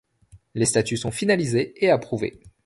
Les statuts sont finalisés et approuvés.